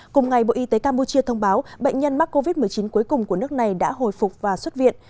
cùng ngày bộ y tế campuchia thông báo bệnh nhân mắc covid một mươi chín cuối cùng của nước này đã hồi phục và xuất viện